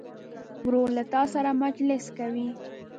ورور له تا سره مجلس کوي.